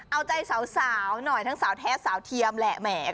เอาใจสาวหน่อยทั้งสาวแท้สาวเทียมแหละแหม